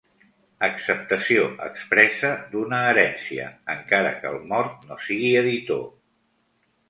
Acceptació expressa d'una herència, encara que el mort no sigui editor.